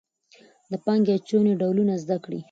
د پانګې اچونې ډولونه زده کړئ.